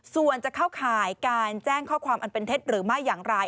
ส่วนจะเข้าข่ายการแจ้งข้อความอันเป็นเท็จหรือไม่อย่างไร